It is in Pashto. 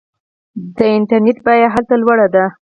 د انټرنیټ بیه هلته لوړه ده.